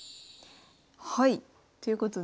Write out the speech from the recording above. はいということで。